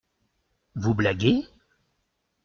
Vous blaguez ?